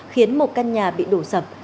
khiến một căn nhà bị đổ sập